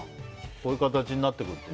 こういう形になってくるって。